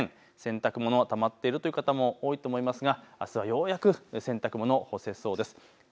洗濯物たまっているという方も多いと思いますが、あすはようやく洗濯物干せそうです。